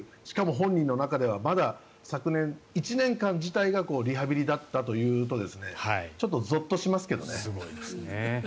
しかも本人の中ではまだ昨年１年間自体がリハビリだったということになるとすごいですね。